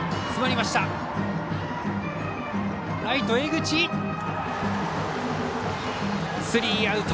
ライト、江口とってスリーアウト。